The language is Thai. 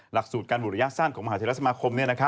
หลักสูตรการบุตรระยะสั้นของมหาเทราสมาคม